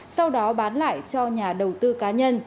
sau đó bán lại cho nhà đầu tư cá nhân